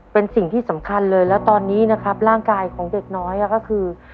เป็นสิ่งที่สำคัญเลยแล้วตอนนี้นะครับร่างกายของเด็กน้อยก็คือ